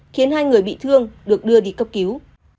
khiến hai người bị thương được đưa đi cấp cứu